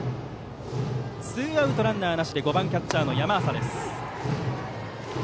ツーアウトランナーなしで５番キャッチャー、山浅です。